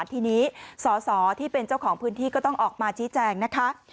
ทีนี้สอสอที่เป็นเจ้าของพื้นที่ก็ต้องออกมาชี้แจงนะคะ